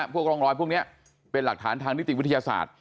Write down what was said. พวกร่องรอยพวกนี้เป็นหลักฐานทางนิติวิทยาศาสตร์